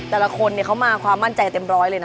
แต่ละคนเขามาความมั่นใจเต็มร้อยเลยนะ